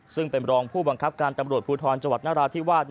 ซึ่งเป็นรองผู้บังคับการตำรวจภูทรจังหวัดนราธิวาส